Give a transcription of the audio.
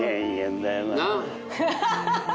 ハハハハ！